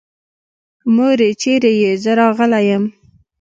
مورې چېرې يې؟ زه راغلی يم.